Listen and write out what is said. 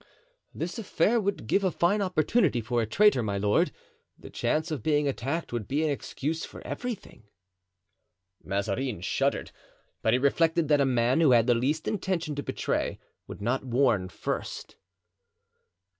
"This affair would give a fine opportunity for a traitor, my lord; the chance of being attacked would be an excuse for everything." Mazarin shuddered, but he reflected that a man who had the least intention to betray would not warn first.